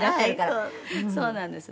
「そうなんです。